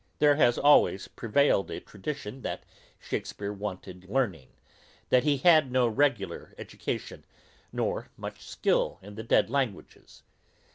There has always prevailed a tradition, that Shakespeare wanted learning, that he had no regular education, nor much skill in the dead languages.